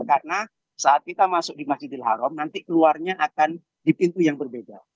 karena saat kita masuk di masjidil haram nanti keluarnya akan di pintu yang berbeda